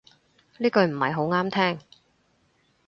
呢句唔係好啱聽